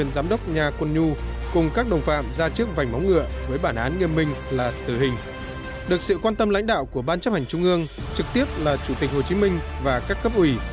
ban chấp hành trung ương trực tiếp là chủ tịch hồ chí minh và các cấp ủy